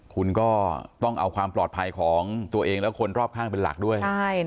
คุณก็ต้องเอาความปลอดภัยของตัวเองและคนรอบข้างเป็นหลักด้วย